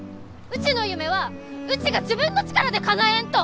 うちの夢はうちが自分の力でかなえんと！